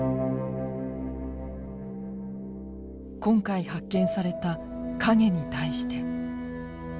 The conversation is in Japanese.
今回発見された「影に対して」。